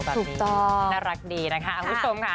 แบบนี้น่ารักดีนะคะอุ้ยสงค่ะ